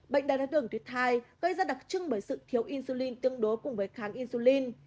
bệnh đai đá đường tuyết hai gây ra đặc trưng bởi sự thiếu insulin tương đối cùng với kháng insulin